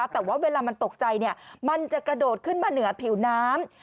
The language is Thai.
แต่ว่าเวลามันตกใจมันจะกระโดดขึ้นมาเหนือผิวน้ำ